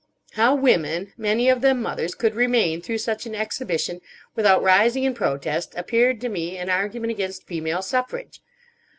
How women—many of them mothers—could remain through such an exhibition without rising in protest appeared to me an argument against female suffrage.